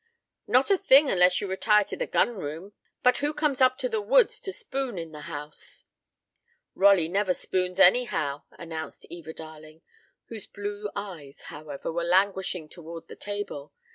"Not a thing unless you retire to the gun room, but who comes up to the woods to spoon in the house?" "Rolly never spoons, anyhow," announced Eva Darling, whose blue eyes, however, were languishing toward the table.